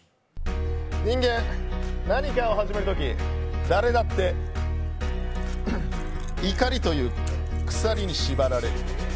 人間、何かを始めるとき、誰だって怒りという鎖に縛られる。